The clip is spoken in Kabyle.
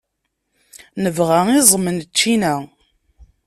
Nebɣa iẓem n ččina.